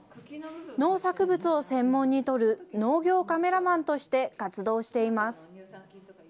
農作物を専門に撮る農業カメラマンとして活動しています。